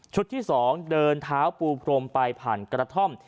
ที่๒เดินเท้าปูพรมไปผ่านกระท่อม